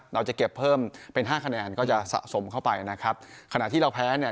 เราจะเก็บเพิ่มเป็นห้าคะแนนก็จะสะสมเข้าไปนะครับขณะที่เราแพ้เนี่ย